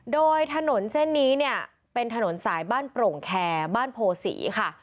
โดยถนนเส้นนี้เนี่ยเป็นถนนสายบ้านโปร่งแคร์บ้านโพศีค่ะ